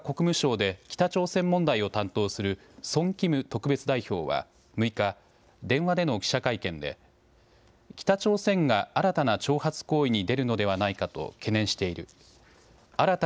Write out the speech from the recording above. これについてアメリカ国務省で北朝鮮問題を担当するソン・キム特別代表は６日、電話での記者会見で北朝鮮が新たな挑発行為に出るのではないかと懸念している。